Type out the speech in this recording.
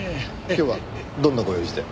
今日はどんなご用事で？